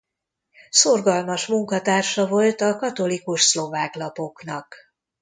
Szorgalmas munkatársa volt a katolikus szlovák lapoknak.